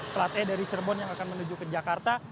plat e dari cirebon yang akan menuju ke jakarta